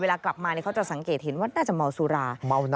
เวลากลับมาเขาจะสังเกตเห็นว่าน่าจะเมาสุรา